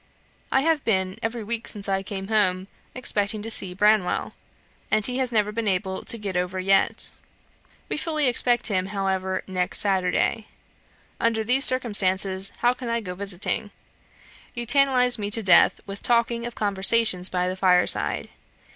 I have been, every week since I came home, expecting to see Branwell, and he has never been able to get over yet. We fully expect him, however, next Saturday. Under these circumstances how can I go visiting? You tantalize me to death with talking of conversations by the fireside.